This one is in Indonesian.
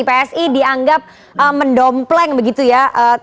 psi dianggap mendompleng begitu ya